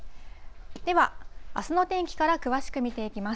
では、あすの天気から詳しく見ていきます。